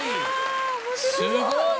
すごい！